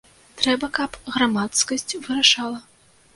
Трэба, каб грамадскасць вырашала.